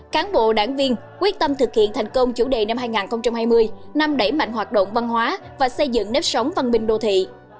cán bộ đảng viên quyết tâm thực hiện thành công chủ đề năm hai nghìn hai mươi năm đẩy mạnh hoạt động văn hóa và xây dựng nếp sống văn minh đô thị